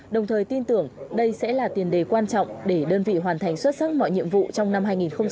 đồng thời tin tưởng đây sẽ là tiền đề quan trọng để đơn vị hoàn thành xuất sắc mọi nhiệm vụ trong năm hai nghìn hai mươi